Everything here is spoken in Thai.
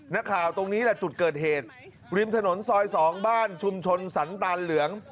ตรงนี้แหละจุดเกิดเหตุริมถนนซอย๒บ้านชุมชนสันตาลเหลือง